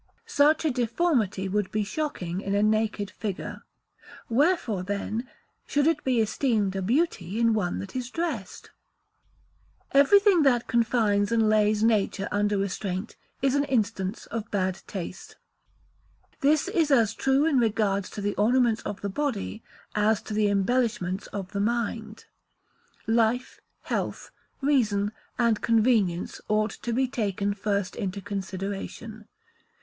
Such a deformity would be shocking in a naked figure; wherefore, then, should it be esteemed a beauty in one that is dressed? Everything that confines and lays nature under restraint is an instance of bad taste. This is as true in regard to the ornaments of the body as to the embellishments of the mind. Life, health, reason, and convenience ought to be taken first into consideration.